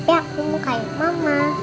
tapi aku mau kain mama